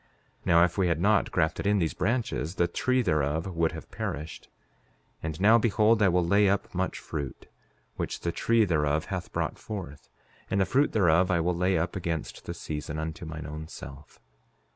Now, if we had not grafted in these branches, the tree thereof would have perished. And now, behold, I shall lay up much fruit, which the tree thereof hath brought forth; and the fruit thereof I shall lay up against the season, unto mine own self.